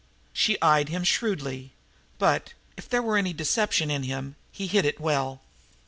She eyed him shrewdly, but, if there were any deception in him, he hid it well.